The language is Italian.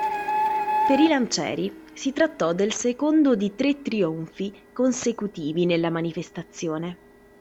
Per i lancieri si trattò del secondo di tre trionfi consecutivi nella manifestazione.